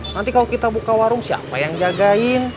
nanti kalau kita buka warung siapa yang jagain